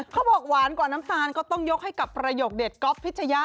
เขาบอกหวานกว่าน้ำตาลก็ต้องยกให้กับประโยคเด็ดก๊อฟพิชยะ